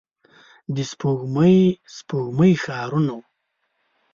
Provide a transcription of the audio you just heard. د سپوږمۍ، سپوږمۍ ښارونو